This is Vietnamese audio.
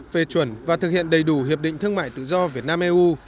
phê chuẩn và thực hiện đầy đủ hiệp định thương mại tự do việt nam eu